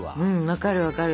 分かる分かる。